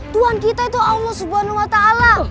tuhan kita itu allah subhanahu wa ta'ala